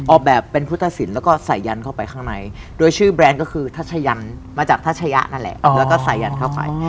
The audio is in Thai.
ออกแบบเป็นพุทธศิลป์แล้วก็ใส่ยันเข้าไปข้างในโดยชื่อแบรนด์ก็คือทัชยันมาจากทัชยะนั่นแหละแล้วก็ใส่ยันเข้าไป